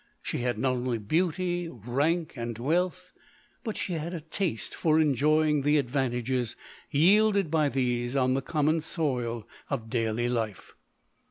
She had not only beauty, rank, and wealth ; but she had a taste for enjoying the advantages yielded by these on the common soil of daily life.